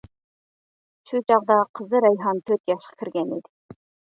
شۇ چاغدا قىزى رەيھان تۆت ياشقا كىرگەن ئىدى.